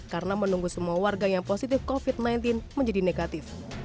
karena menunggu semua warga yang positif covid sembilan belas menjadi negatif